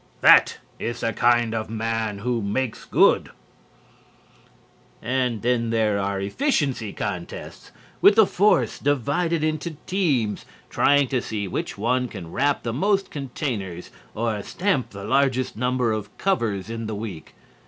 "That is the kind of man who makes good." And then there are efficiency contests, with the force divided into teams trying to see which one can wrap the most containers or stamp the largest number of covers in the week.